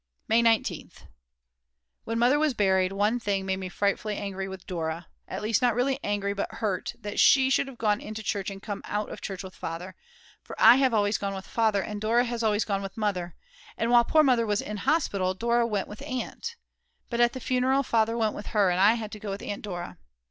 May 19th. When Mother was buried, one thing made me frightfully angry with Dora, at least not really angry but hurt, that she should have gone into church and come out of church with Father. For I have always gone with Father and Dora has always gone with Mother. And while poor Mother was in hospital, Dora went with Aunt. But at the funeral Father went with her, and I had to go with Aunt Dora.